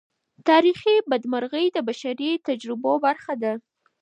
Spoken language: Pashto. تاریخي بدمرغۍ د بشري تجربو برخه ده.